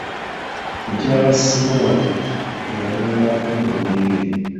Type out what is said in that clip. Mukyala 'Simoolo' eyalinga atunda omwenge.